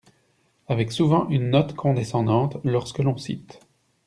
Avec souvent une note condescendante, lorsque l’on cite